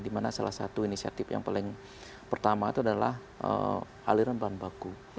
dimana salah satu inisiatif yang paling pertama itu adalah aliran bahan baku